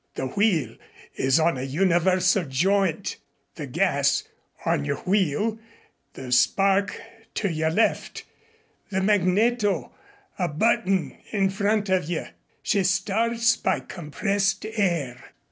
The wheel is on a universal joint; the gas, on your wheel, the spark to your left, the magneto, a button in front of you. She starts by compressed air."